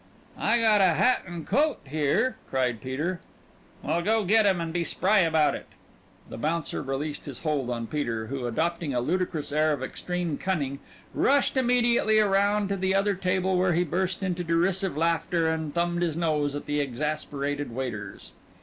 "I got a hat and a coat here!" cried Peter. "Well, go get 'em and be spry about it!" The bouncer released his hold on Peter, who, adopting a ludicrous air of extreme cunning, rushed immediately around to the other table, where he burst into derisive laughter and thumbed his nose at the exasperated waiters.